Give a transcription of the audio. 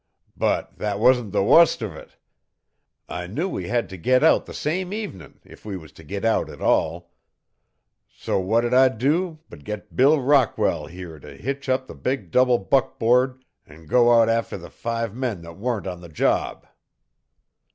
"But that wasn't the wust of it. I knew we had to get out the same evenin' if we was to git out at all, so what did I do but get Bill Rockwell here to hitch up his big double buckboard an' go out after the five men that weren't on the job.